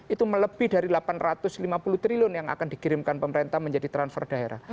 itu melebih dari rp delapan ratus lima puluh triliun yang akan dikirimkan pemerintah menjadi transfer daerah